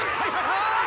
はい！